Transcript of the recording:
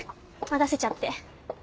待たせちゃって。